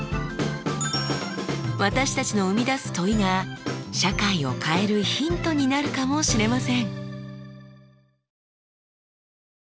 私たちの生み出す問いが社会を変えるヒントになるかもしれません。